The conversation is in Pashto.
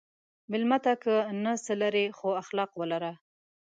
مېلمه ته که نه څه لرې، خو اخلاق ولره.